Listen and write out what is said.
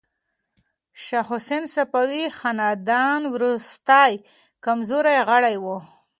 شاه حسین د صفوي خاندان وروستی کمزوری غړی و.